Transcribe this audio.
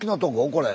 これ。